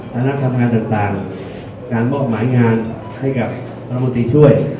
ทางนั้นทำงานต่างต่างการบอกหมายงานให้กับพระมวลตรีช่วย